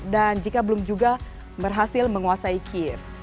dan jika belum juga berhasil menguasai kyiv